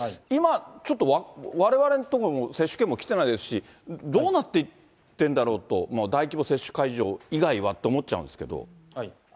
今、ちょっとわれわれのところにも接種券も来てないですし、どうなっていってるんだろうと、大規模接種会場以外はって思っちゃうんですけど。